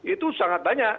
itu sangat banyak